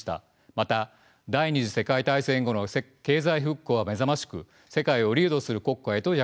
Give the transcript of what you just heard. また第二次世界大戦後の経済復興は目覚ましく世界をリードする国家へと躍進しました。